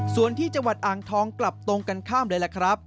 ส่วนที่จังหวัดอ่างทองกลับตรงกันข้ามเลยล่ะครับ